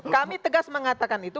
kami tegas mengatakan itu